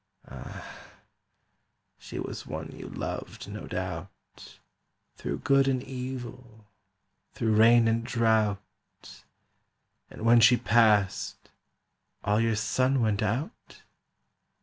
"Ah—she was one you loved, no doubt, Through good and evil, through rain and drought, And when she passed, all your sun went out?"